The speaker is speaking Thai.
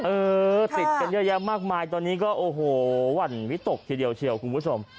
เออติดกันเยอะแยะมากมายตอนนี้ก็โอ้โหหวั่นวิตกทีเดียวเชียวคุณผู้ชม